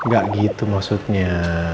gak gitu maksudnya